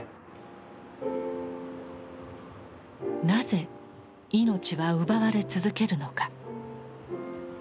なぜ命は奪われ続けるのか。